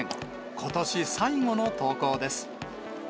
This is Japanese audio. ことし最後の登校です。